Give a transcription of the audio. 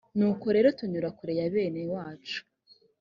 nuko rero tunyura kure ya bene wacu